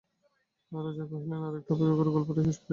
রাজা কহিলেন, আর-একটু অপেক্ষা করো, গল্পটা শেষ করিয়া লই।